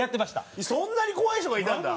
そんなに怖い人がいたんだ！